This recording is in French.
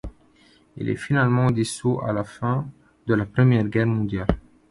Il est finalement dissous à la fin de la Première Guerre mondiale.